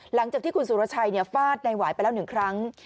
หลังจากที่คุณสุรชัยเนี่ยฟาดนายหวายไปแล้วหนึ่งครั้ง